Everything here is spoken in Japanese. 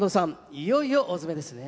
いよいよ大詰めですね。